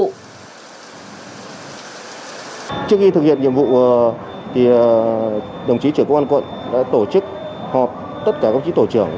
trước khi thực hiện nhiệm vụ đồng chí trưởng công an quận đã tổ chức họp tất cả các chí tổ trưởng